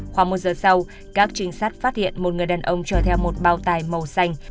khoảng một giờ sau các trinh sát phát hiện một người đàn ông chở theo một bao tài màu xanh